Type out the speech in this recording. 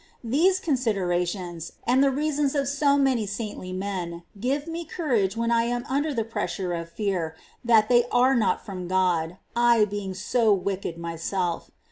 These con siderations, and the reasons of so many saintly men, give me courage when I am under the pressure of fear that they are not fi'om God, I being so wicked myself.